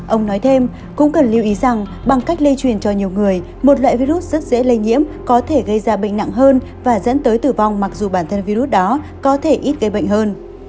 ông nói thêm cũng cần lưu ý rằng bằng cách lây truyền cho nhiều người một loại virus rất dễ lây nhiễm có thể gây ra bệnh nặng hơn và dẫn tới tử vong mặc dù bản thân virus đó có thể ít gây bệnh hơn